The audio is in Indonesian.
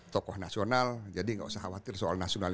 tokoh nasional jadi gak usah khawatir soalnya